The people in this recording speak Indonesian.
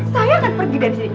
saya akan pergi dari sini